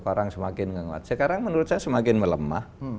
sekarang semakin menguat sekarang menurut saya semakin melemah